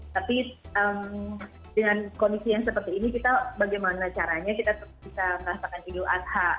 tapi dengan kondisi yang seperti ini kita bagaimana caranya kita bisa merasakan idul adha